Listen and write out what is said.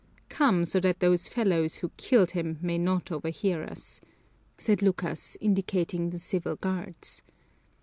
Come, so that those fellows who killed him may not overhear us," said Lucas, indicating the civil guards.